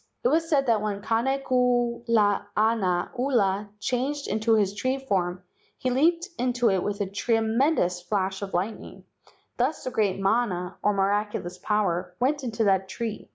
It was said that when Kane kulana ula changed into his tree form he leaped into it with a tre¬ mendous flash of lightning, thus the great mana, or miraculous power, went into that tree.